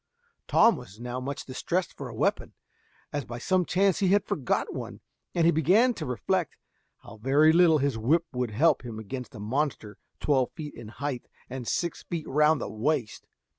Tom was now much distressed for a weapon, as by some chance he had forgot one, and he began to reflect how very little his whip would help him against a monster twelve feet in height and six feet round the waist.